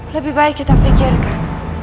lebih baik kita fikirkan